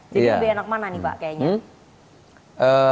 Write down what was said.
jadi lebih enak mana nih pak kayaknya